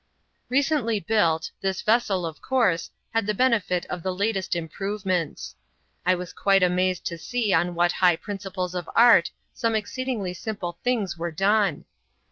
Recently built, this vessel, of course, had the benefit of the latest improvements. I was quite amazed to see on what high principles of art some exceedingly simple things were done.